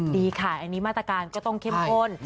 ดีค่ะอันนี้มาตรการก็ต้องเข้มข้น